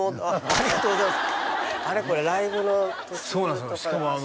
ありがとうございます